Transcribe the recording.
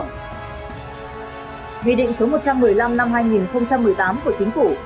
nghị định số một trăm một mươi năm năm hai nghìn một mươi tám của chính phủ